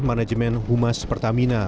manajemen humas pertamina